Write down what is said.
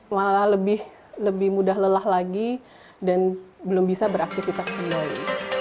malah lebih mudah lelah lagi dan belum bisa beraktivitas kembali